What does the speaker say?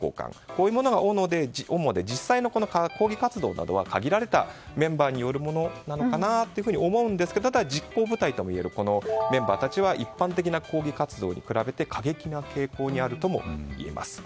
こういうものが主で実際の抗議活動などは限られたメンバーによるものなのかなと思うんですが、ただ実行部隊によるメンバーたちは一般的な抗議活動に比べて過激な傾向にあるといえます。